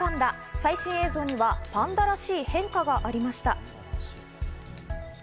最新映像にはパンダらしい変化がありました。